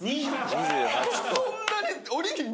そんなに！？